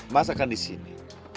mas akan disini